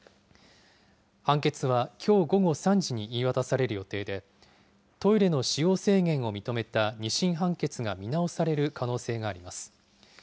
判決はきょう午後３時に言い渡される予定で、トイレの使用制限を認めた２審判決が見直される可能性があります。